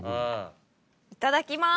いただきます。